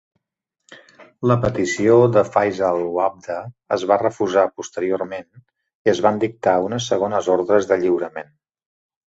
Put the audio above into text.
La petició de Faisal Wavda es va refusar posteriorment i es van dictar unes segones ordres de lliurament.